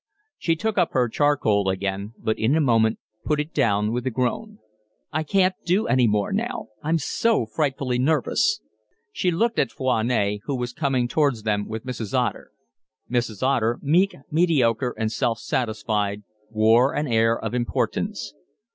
She took up her charcoal again, but in a moment put it down with a groan. "I can't do any more now. I'm so frightfully nervous." She looked at Foinet, who was coming towards them with Mrs. Otter. Mrs. Otter, meek, mediocre, and self satisfied, wore an air of importance.